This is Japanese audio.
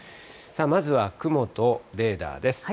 まずは雲とレーダーです。